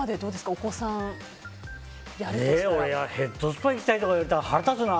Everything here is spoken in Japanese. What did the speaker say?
俺、ヘッドスパ行きたいとか言われたら、腹立つな。